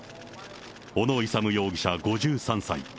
小野勇容疑者５３歳。